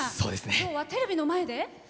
今日はテレビの前で？